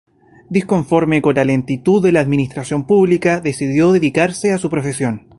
Disconforme con la lentitud de la administración pública, decidió dedicarse a su profesión.